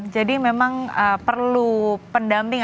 memang perlu pendamping